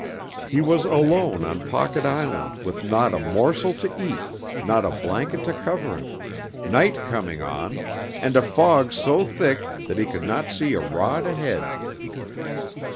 He was alone on Pocket Island with not a morsel to eat, not a blanket to cover him, night coming on, and a fog so thick that he could not see a rod ahead!